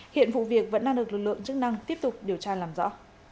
hiện vụ việc vẫn đang được lực lượng chức năng tiếp tục điều tra làm rõ